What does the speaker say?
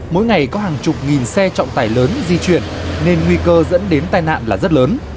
mỗi ngày có hàng chục nghìn xe trọng tải lớn di chuyển nên nguy cơ dẫn đến tai nạn là rất lớn